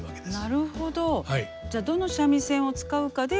なるほど。